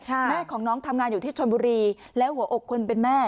แม่ของน้องทำงานอยู่ที่ชนบุรีแล้วหัวอกคนเป็นแม่